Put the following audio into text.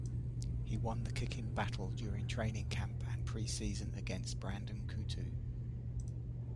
He won the kicking battle during training camp and pre-season against Brandon Coutu.